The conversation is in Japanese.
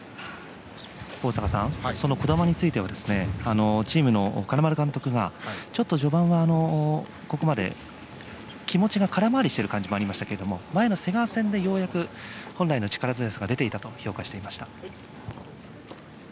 大坂さん、その児玉についてはチームの金丸監督がちょっと序盤は、ここまで気持ちが空回りしている感じがありましたが前の瀬川戦でようやく本来の力が出ていたと話をしていました。